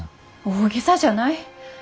大げさじゃない。